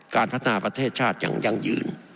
การพัฒนาประเทศชาติอย่างยั่งยืน